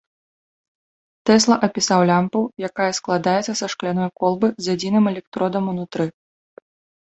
Тэсла апісаў лямпу, якая складаецца са шкляной колбы з адзіным электродам унутры.